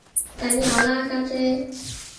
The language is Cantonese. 梗有啦家姐